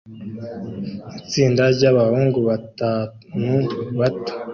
Itsinda ryabahungu batanu bato